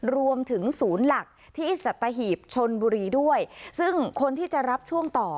รวมถึงศูนย์หลักที่สัตหีบชนบุรีด้วยซึ่งคนที่จะรับช่วงต่อ